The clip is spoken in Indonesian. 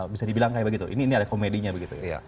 bisa dibilang kayak begitu ini adalah komedinya begitu ya